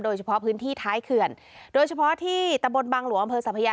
โดยเฉพาะพื้นที่ท้ายเขื่อนโดยเฉพาะที่ตะบนบางหลวงอำเภอสัพยา